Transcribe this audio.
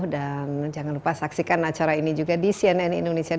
dan jangan lupa saksikan acara ini juga di cnnindonesia com